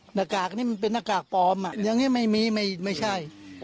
หน้ากากนี้มันเป็นหน้ากากปลอมอย่างนี้ไม่มีไม่ใช่